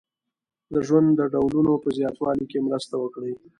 د ژوند د ډولونو په زیاتوالي کې مرسته وکړي.